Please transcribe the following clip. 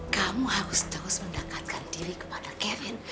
kamu harus terus mendekatkan diri kepada kevin